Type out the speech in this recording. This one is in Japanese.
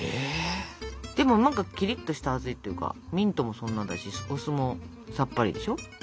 でも何かキリッとした味っていうかミントもそんなだしお酢もさっぱりでしょ？